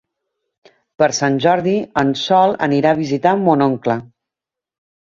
Per Sant Jordi en Sol anirà a visitar mon oncle.